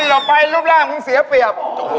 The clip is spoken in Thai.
แนวนักเรงี๊มหน่อยหา